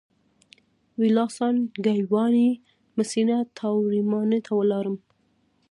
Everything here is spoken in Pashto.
ویلاسان ګایواني مسینا تاورمینا ته ولاړم.